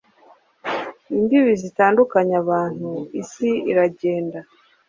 imbibi zitandukanya abantu, isi iragenda